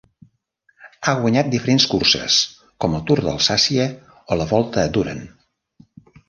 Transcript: Ha guanyat diferents curses com el Tour d'Alsàcia o la Volta a Düren.